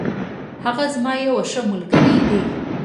هغه زما یو ښه ملگری دی.